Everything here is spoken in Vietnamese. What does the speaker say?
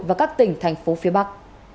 và các tỉnh thành phố phía bắc